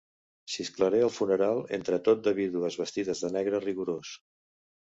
Xisclaré al funeral entre tot de vídues vestides de negre rigorós.